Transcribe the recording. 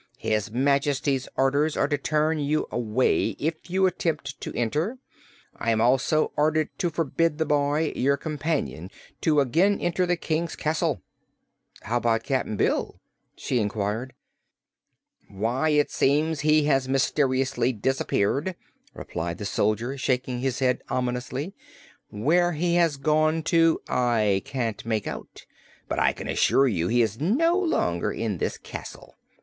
"His Majesty's orders are to turn you away if you attempt to enter. I am also ordered to forbid the boy, your companion, to again enter the King's castle." "How 'bout Cap'n Bill?" she inquired. "Why, it seems he has mysteriously disappeared," replied the soldier, shaking his head ominously. "Where he has gone to, I can't make out, but I can assure you he is no longer in this castle.